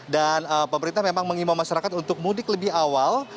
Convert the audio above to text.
dan pemerintah memang mengimau masyarakat untuk mudik lebih awal